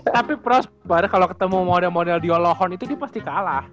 tapi prosper kalau ketemu model model di olohon itu pasti kalah